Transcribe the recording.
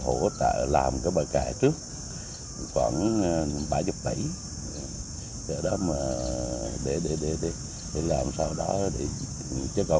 hỗ trợ làm cái bờ kè trước khoảng ba mươi tỷ để đó mà để để để để để làm sau đó chúng ta sẽ có